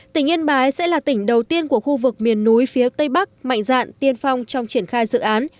tỉnh yên bái sẽ là tỉnh đầu tiên của khu vực miền núi phía tây bắc mạnh dạn tiên phong trong triển khai dự án